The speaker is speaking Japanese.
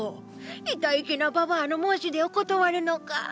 いたいけなばばあの申し出を断るのか？